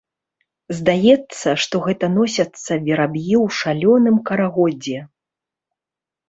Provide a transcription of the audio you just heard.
Здаецца, што гэта носяцца вераб'і ў шалёным карагодзе.